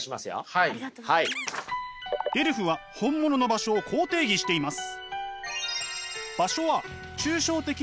レルフは本物の場所をこう定義しています。